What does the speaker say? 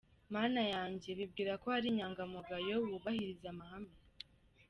Mana yanjye! Bibwira ko ari inyangamugayo wubahiriza amahame.